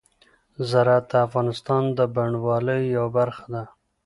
زراعت د افغانستان د بڼوالۍ یوه برخه ده.